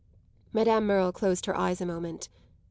Madame Merle closed her eyes a moment.